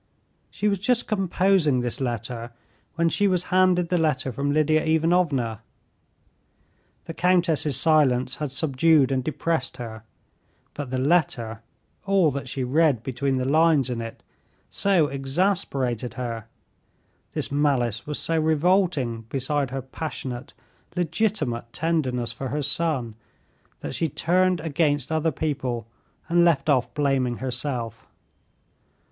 She was just composing this letter when she was handed the letter from Lidia Ivanovna. The countess's silence had subdued and depressed her, but the letter, all that she read between the lines in it, so exasperated her, this malice was so revolting beside her passionate, legitimate tenderness for her son, that she turned against other people and left off blaming herself.